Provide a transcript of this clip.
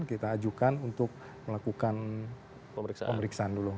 kita ajukan untuk melakukan pemeriksaan dulu